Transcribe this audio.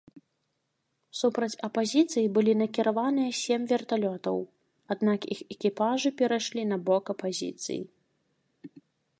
Супраць апазіцыі былі накіраваныя сем верталётаў, аднак іх экіпажы перайшлі на бок апазіцыі.